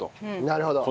なるほど。